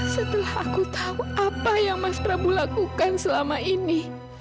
setelah aku tahu apa yang mas prabu lakukan selama ini